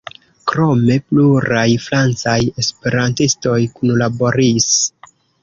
Krome pluraj francaj esperantistoj kunlaboris.